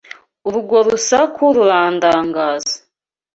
Urwo rusaku rurandangaza.